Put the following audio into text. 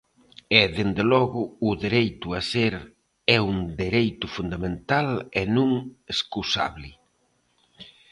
E, dende logo, o dereito a ser é un dereito fundamental e non escusable.